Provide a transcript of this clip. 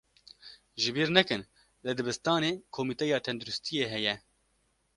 Ji bîr nekin, li dibistanê komîteya tenduristiyê heye.